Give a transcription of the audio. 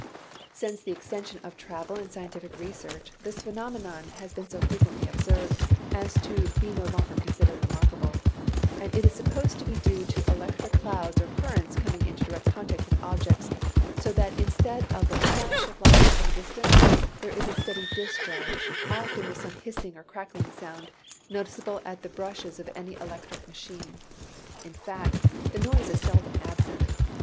Since the extension of travel and scientific research, this phenomenon has been so frequently observed as to be no longer considered remarkable; and it is supposed to be due to electric clouds or currents coming in direct contact with objects, so that instead of the flash of lightning from a distance, there is a steady discharge, often with some hissing or crackling sound, noticeable at the brushes of any electric machine; in fact, the noise is seldom absent.